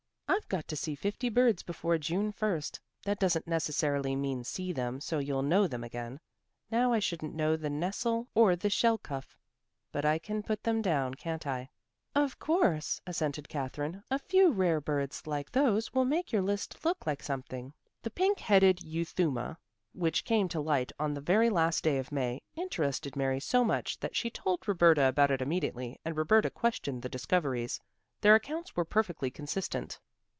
"I've got to see fifty birds before June 1st; that doesn't necessarily mean see them so you'll know them again. Now I shouldn't know the nestle or the shelcuff, but I can put them down, can't I?" "Of course," assented Katherine, "a few rare birds like those will make your list look like something." The pink headed euthuma, which came to light on the very last day of May, interested Mary so much that she told Roberta about it immediately and Roberta questioned the discoverers. Their accounts were perfectly consistent.